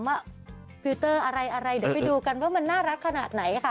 ว่าฟิลเตอร์อะไรอะไรเดี๋ยวไปดูกันว่ามันน่ารักขนาดไหนค่ะ